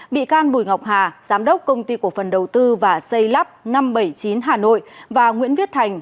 bị can bùi ngọc hà giám đốc công ty cổ phần đầu tư và xây lắp năm trăm bảy mươi chín hà nội và nguyễn viết thành